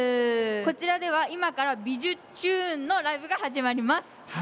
こちらでは今から「びじゅチューン！」のライブが始まります。